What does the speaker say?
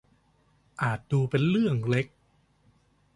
อาจดูเป็นเรื่องเล็ก